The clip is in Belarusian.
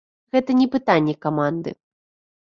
Гэта не пытанне каманды.